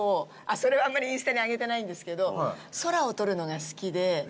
それは、あんまりインスタに上げてないんですけど空を撮るのが好きで。